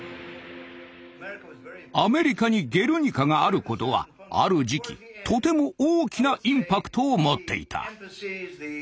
アメリカに「ゲルニカ」があることはある時期とても大きなインパクトを持っていた。